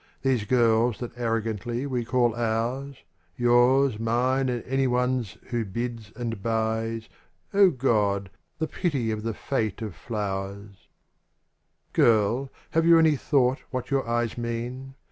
These girls that arrogantly we call ours, — Yours, mine, and anyone's who bids and buys — O God ! the pity of the fate of flowers 1 rtRL, have you any thought what your eyes mean?